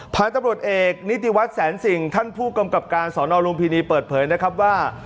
พันธุ์ตำรวจเอกนิติวัตรแสนสิ่งท่านผู้กำกับการสอนอลุมพินีเปิดเผยนะครับว่า